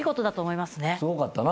すごかったな。